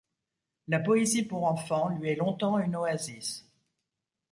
La poésie pour enfants lui est longtemps une oasis.